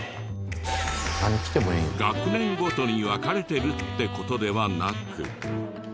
学年ごとに分かれてるって事ではなく。